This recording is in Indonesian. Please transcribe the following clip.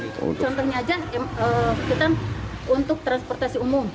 contohnya aja kita untuk transportasi umum